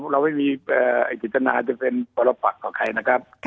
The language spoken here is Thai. ถ้าท่านเป็นประปัตย์ของใครนะครับ